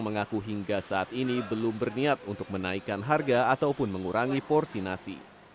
mengaku hingga saat ini belum berniat untuk menaikkan harga ataupun mengurangi porsi nasi